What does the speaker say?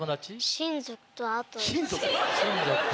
親族とあと？